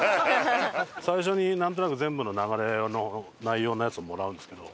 最初になんとなく全部の流れの内容のやつをもらうんですけど。